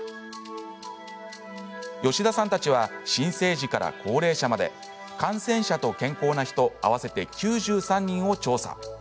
吉田さんたちは新生児から高齢者まで感染者と健康な人、合わせて９３人を調査。